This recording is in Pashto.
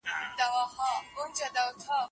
ایا د شپې راتلل یو راز دی؟